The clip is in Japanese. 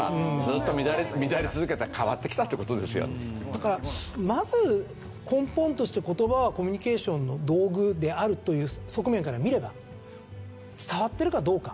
だからまず根本として「言葉はコミュニケーションの道具である」という側面から見れば伝わってるかどうか。